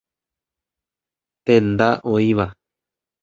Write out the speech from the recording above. Tenda oĩva.